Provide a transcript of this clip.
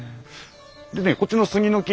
でねこっちの杉の木。